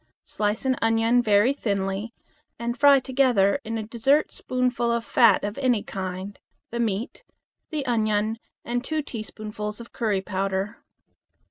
Slice an onion very thinly, and fry together in a dessert spoonful of fat of any kind, the meat, onion, and two teaspoonfuls of curry powder.